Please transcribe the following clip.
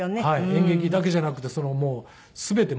演劇だけじゃなくて全てもう。